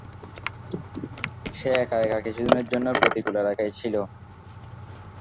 সে একা একা কিছুদিনের জন্য প্রতিকূল এলাকায় ছিল।